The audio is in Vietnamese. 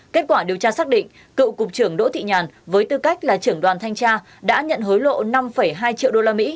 kết quả điều tra xác định cựu cục trưởng đỗ thị nhàn với tư cách là trưởng đoàn thanh tra đã nhận hối lộ năm hai triệu usd